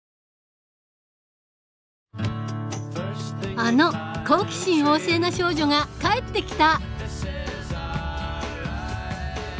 あの好奇心旺盛な少女が帰ってきた！